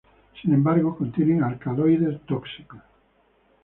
Sin embargo contienen alcaloides tóxicos.